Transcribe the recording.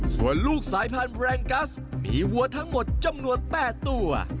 ส่วนลูกสายพันธุ์แรงกัสมีวัวทั้งหมดจำนวน๘ตัว